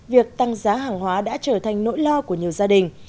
việc tăng giá hàng hóa đã trở thành nỗi lo của nhiều gia đình